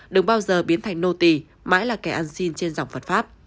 đừng bao giờ biến thành nô tì mãi là kẻ ăn xin trên dòng phật pháp